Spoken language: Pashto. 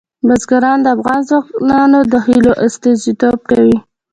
بزګان د افغان ځوانانو د هیلو استازیتوب کوي.